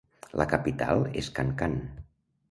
La capital és Kankan.